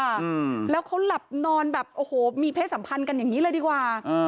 อืมแล้วเขาหลับนอนแบบโอ้โหมีเพศสัมพันธ์กันอย่างงี้เลยดีกว่าอ่า